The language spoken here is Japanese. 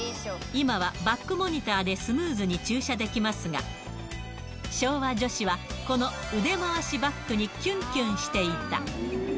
今はバックモニターでスムーズに駐車できますが、昭和女子は、この腕回しバックにキュンキュンしていた。